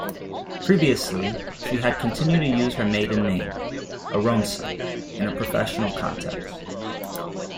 Previously, she had continued to use her maiden name, Aronson, in a professional context.